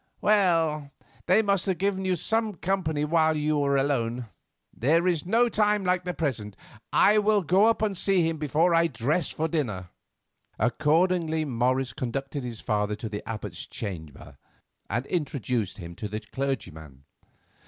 Well, they must have given you some company while you were alone. There is no time like the present. I will go up and see him before I dress for dinner." Accordingly Morris conducted his father to the Abbot's chamber, and introduced him to the clergyman.